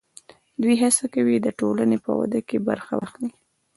دوی هڅه کوي د ټولنې په وده کې برخه واخلي.